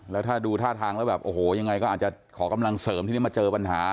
แล้วถ้าดูท่าทางแล้วแบบโอ้โหยังไงก็อาจจะขอกำลังเสริมทีนี้มาเจอปัญหา